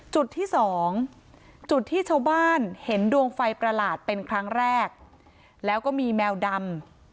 จุดที่สองจุดที่ชาวบ้านเห็นดวงไฟประหลาดเป็นครั้งแรกแล้วก็มีแมวดำ